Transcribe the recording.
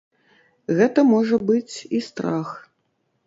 Гэта можа быць і страх.